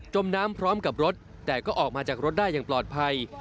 มน้ำพร้อมกับรถแต่ก็ออกมาจากรถได้อย่างปลอดภัย